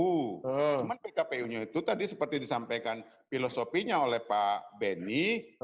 cuma pkpu nya itu tadi seperti disampaikan filosofinya oleh pak benny